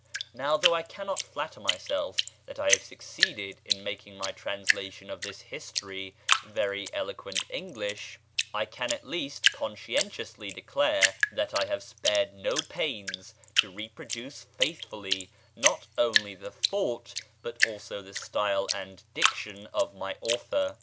Now though I cannot flatter myself that I have succeeded in making my translation of this history very eloquent English, I can at least conscientiously declare that I have spared no pains to reproduce faithfully not only the thought but also the style and diction of my author.